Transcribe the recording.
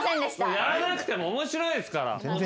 やらなくても面白いですから。